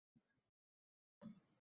U Volga sotib olishga qodir edi.